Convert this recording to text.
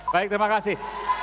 baik terima kasih